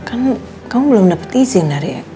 kan kamu belum dapat izin dari